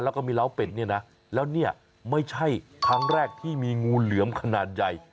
แล้วก็มีเล้าเป็ดเนี่ยนะแล้วเนี่ยไม่ใช่ครั้งแรกที่มีงูเหลือมขนาดใหญ่